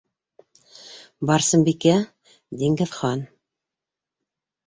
Барсынбикә, Диңгеҙхан...